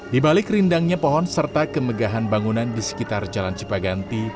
di balik rindangnya pohon serta kemegahan bangunan di sekitar jalan cipaganti